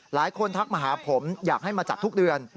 ทักมาหาผมอยากให้มาจัดทุกเดือน